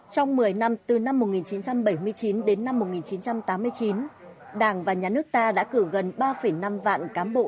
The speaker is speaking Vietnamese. trong một mươi năm từ năm một nghìn chín trăm bảy mươi chín đến năm một nghìn chín trăm tám mươi chín đảng và nhà nước ta đã cử gần ba năm vạn cán bộ